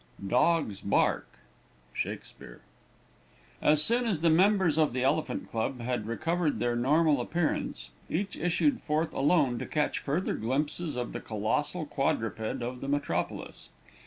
"Dogs bark." SHAKESPEARE. As soon as the members of the Elephant Club had recovered their normal appearance, each issued forth alone to catch further glimpses of the colossal quadruped of the metropolis.